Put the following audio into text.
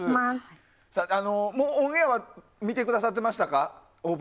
オンエアは見てくださってましたか？